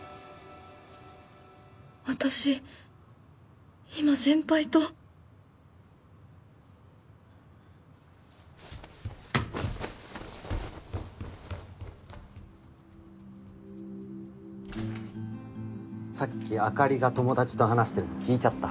私今先輩とさっきあかりが友達と話してるの聞いちゃった